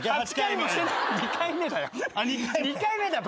２回目だよ。